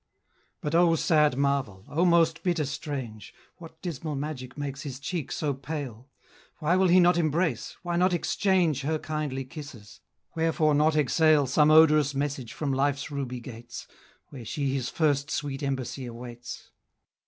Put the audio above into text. But O sad marvel! O most bitter strange! What dismal magic makes his cheek so pale? Why will he not embrace, why not exchange Her kindly kisses; wherefore not exhale Some odorous message from life's ruby gates, Where she his first sweet embassy awaits?